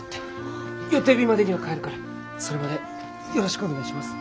予定日までには帰るからそれまでよろしくお願いします。